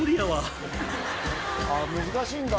「あっ難しいんだ」